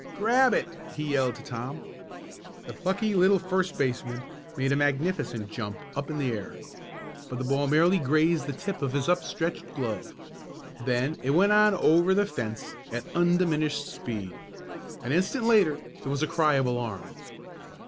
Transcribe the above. "Grab it!" he yelled to Tom. The plucky little first baseman made a magnificent jump up in the air, but the ball merely grazed the tip of his up stretched glove. Then it went on over the fence at undiminished speed. An instant later there was the cry of alarm.